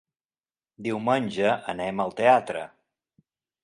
Diumenge anem al teatre.